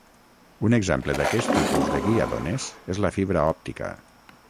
Un exemple d'aquest tipus de guia d'ones és la fibra òptica.